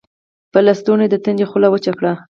پۀ لستوڼي يې د تندي خوله وچه کړه